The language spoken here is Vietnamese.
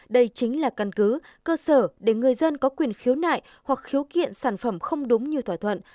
đây chính là căn cứ cơ sở để người dân có quyền khiếu nại hoặc khiếu kiện sản phẩm không đúng như thỏa thuận